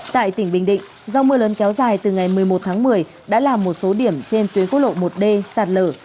tại tỉnh bình định do mưa lớn kéo dài từ ngày một mươi một tháng một mươi đã làm một số điểm trên tuyến quốc lộ một d sạt lở